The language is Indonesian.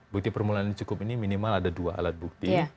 bukti permulaan yang cukup ini minimal ada dua alat bukti